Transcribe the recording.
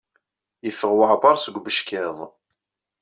Yeffeɣ weɛbaṛ seg ubeckiḍ.